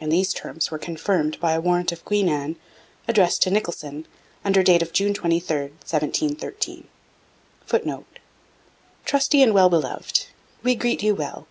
And these terms were confirmed by a warrant of Queen Anne addressed to Nicholson, under date of June 23, 1713. [Footnote: 'Trusty and Well beloved, We greet you Well!